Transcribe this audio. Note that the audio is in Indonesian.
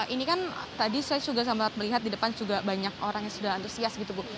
ini kan tadi saya juga sempat melihat di depan juga banyak orang yang sudah antusias gitu bu